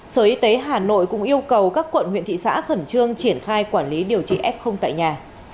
sở y tế hà nội cũng yêu cầu các quận huyện thị xã khẩn trương triển khai quản lý điều trị f tại nhà